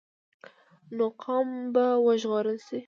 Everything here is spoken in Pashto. نو قام به وژغورل شي.